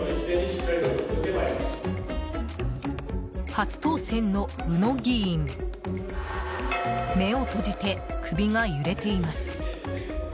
初当選の宇野議員目を閉じて首が揺れています。